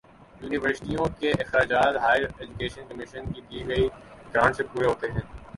یونیورسٹیوں کے اخراجات ہائیر ایجوکیشن کمیشن کی دی گئی گرانٹ سے پورے ہوتے ہیں